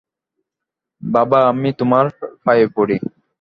বাবা, আমি তোমার পায়ে পড়ি।